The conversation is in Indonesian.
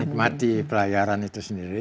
menikmati pelayaran itu sendiri